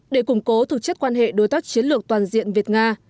để củng cố thực chất quan hệ đối tác chiến lược toàn diện việt nga